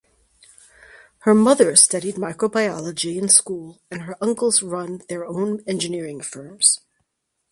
Her mother studied microbiology in school and her uncles run their own engineering firms.